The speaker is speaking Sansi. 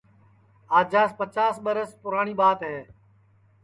آجاس پچاس ٻرس پُراٹؔی ٻات ہے